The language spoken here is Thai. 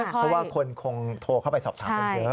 เพราะว่าคนคงโทรเข้าไปสอบถามกันเยอะ